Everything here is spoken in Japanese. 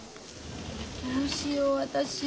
どうしよう私。